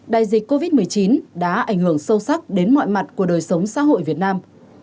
đại dịch covid một mươi chín đã ảnh hưởng sâu sắc đến mọi mặt của đời sống xã hội việt nam